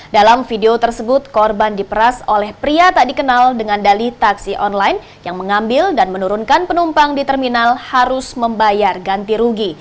dalam video tersebut korban diperas oleh pria tak dikenal dengan dali taksi online yang mengambil dan menurunkan penumpang di terminal harus membayar ganti rugi